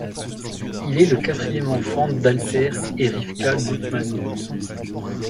Il est le quatrième enfant d'Alter et Rivka Gutman.